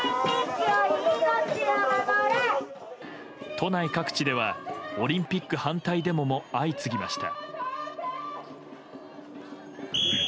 都内各地ではオリンピック反対デモも相次ぎました。